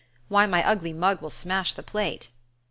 Why, my ugly mug will smash the plate!"